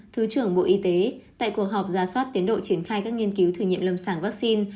thứ trưởng bộ y tế tại cuộc họp ra soát tiến độ triển khai các nghiên cứu thử nghiệm lâm sàng vaccine